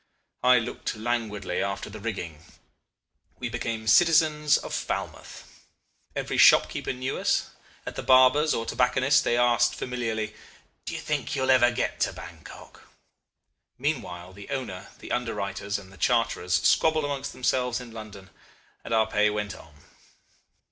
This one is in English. I looked languidly after the rigging. We became citizens of Falmouth. Every shopkeeper knew us. At the barber's or tobacconist's they asked familiarly, 'Do you think you will ever get to Bankok?' Meantime the owner, the underwriters, and the charterers squabbled amongst themselves in London, and our pay went on....